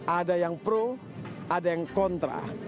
ada yang pro ada yang kontra